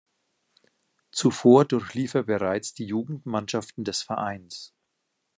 Zuvor durchlief er bereits die Jugendmannschaften des Vereins.